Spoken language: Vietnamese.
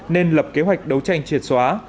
nên lập kế hoạch đấu tranh triệt xóa